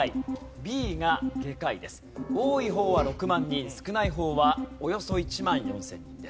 多い方は６万人少ない方はおよそ１万４０００人です。